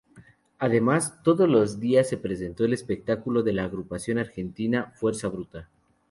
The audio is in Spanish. Además, todos los días se presentó el espectáculo de la agrupación argentina Fuerza Bruta.